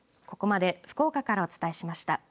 ここまで福岡からお伝えしました。